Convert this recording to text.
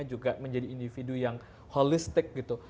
juga menjadi individu yang holistik gitu